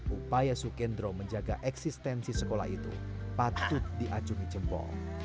upaya sukendra menjaga eksistensi sekolah itu patut diajungi jempol